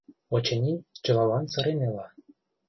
Очыни, чылалан сырен ила.